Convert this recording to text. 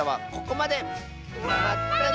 まったね！